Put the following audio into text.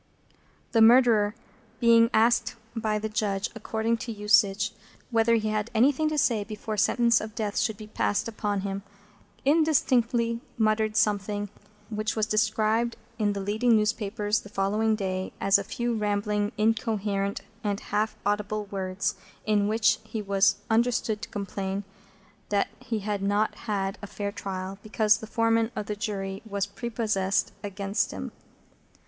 The Murderer, being asked by the Judge, according to usage, whether he had anything to say before sentence of Death should be passed upon him, indistinctly muttered something which was described in the leading newspapers of the following day as "a few rambling, incoherent, and half audible words, in which he was understood to complain that he had not had a fair trial, because the Foreman of the Jury was prepossessed against him."